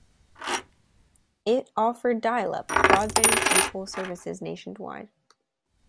It offered dialup, broadband and toll services nationwide.